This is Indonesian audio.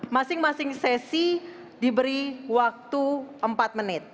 masing masing sesi diberi waktu empat menit